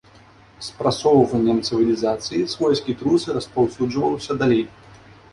З прасоўваннем цывілізацыі свойскі трус распаўсюджваўся далей.